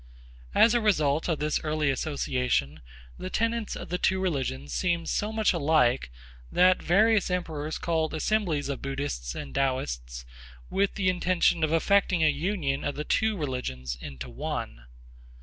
As a result of this early association the tenets of the two religions seemed so much alike that various emperors called assemblies of Buddhists and Taoists with the intention of effecting a union of the two religions into one.